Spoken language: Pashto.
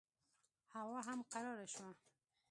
هوا هم قراره شوه.